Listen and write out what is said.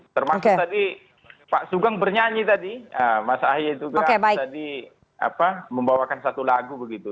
termasuk tadi pak sugeng bernyanyi tadi mas ahy juga tadi membawakan satu lagu begitu